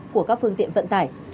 của các phương tiện vận tải